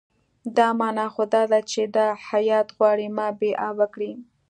دا معنی خو دا ده چې دا هیات غواړي ما بې آبه کړي.